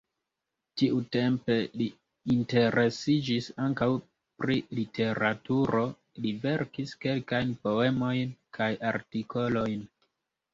Tiutempe li interesiĝis ankaŭ pri literaturo, li verkis kelkajn poemojn kaj artikolojn.